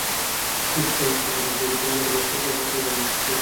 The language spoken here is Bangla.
দুটি স্থায়ী হাটের পাশাপাশি এবার নগরে ছয়টি অস্থায়ী পশুর হাট বসেছে।